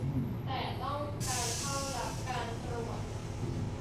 แต่ต้องการเข้ารับการตรวจ